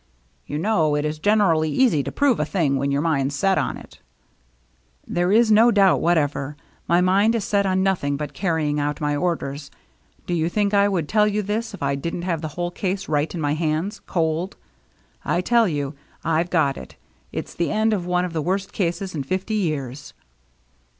" You know, it is generally easy to prove a thing when your mind's set on it." DRAWING TOGETHER 183 " There is no doubt whatever. My mind is set on nothing but carrying out my orders. Do you think I would tell you this if I didn't have the whole case right in my hands — cold ? I tell you, I've got it. It's the end of one of the worst cases in fifty years."